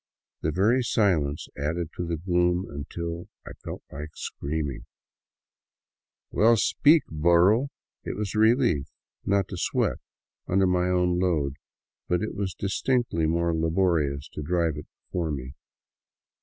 The very silence added to the gloom, until I felt like screaming, " Well, speak, burro !'* It was a relief not to sweat under my own load, but it was distinctly more laborious to drive it before me.